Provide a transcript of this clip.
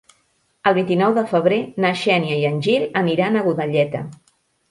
El vint-i-nou de febrer na Xènia i en Gil aniran a Godelleta.